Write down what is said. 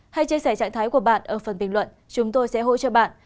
hãy chia sẻ trạng thái của bạn ở phần bình luận chúng tôi sẽ hỗ trợ bạn